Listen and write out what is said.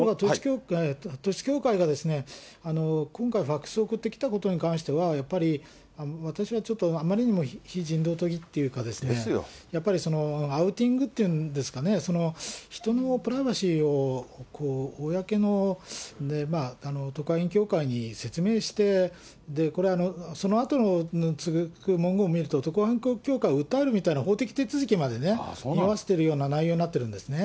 統一教会が今回、ファックスを送ってきたことに関しては、やっぱり私はちょっと、あまりにも非人道的というかですね、やっぱりアウティングっていうんですかね、人のプライバシーを公の特派員協会に説明して、これ、そのあとにつぐ文言を見ると、特派員協会を訴えるみたいな、法的手続きまで、思わせているような内容になっているんですね。